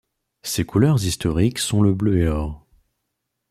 Ses couleurs historiques sont le bleu et or.